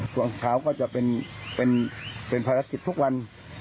ช่วงเช้าก็จะเป็นภารกิจทุกวัน